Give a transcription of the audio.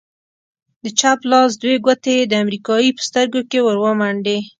د چپ لاس دوې گوتې يې د امريکايي په سترگو کښې ورومنډې.